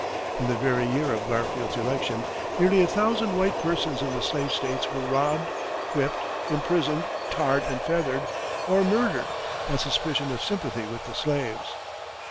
In the very year of Garfield's election, nearly a thousand white persons in the slave States were robbed, whipped, imprisoned, tarred and feathered, or murdered, on suspicion of sympathy with the slaves.